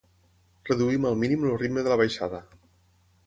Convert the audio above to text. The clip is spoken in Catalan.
Reduïm al mínim el ritme de la baixada.